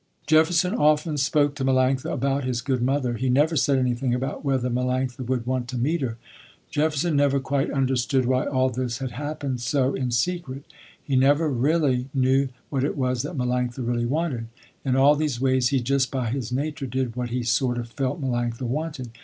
Jefferson often spoke to Melanctha about his good mother. He never said anything about whether Melanctha would want to meet her. Jefferson never quite understood why all this had happened so, in secret. He never really knew what it was that Melanctha really wanted. In all these ways he just, by his nature, did, what he sort of felt Melanctha wanted.